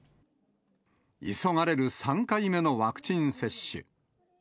急がれる３回目のワクチン接種。